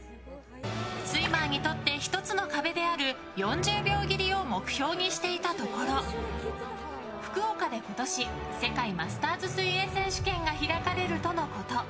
スイマーにとって１つの壁である４０秒切りを目標にしていたところ福岡で今年世界マスターズ水泳選手権が開かれるとのこと。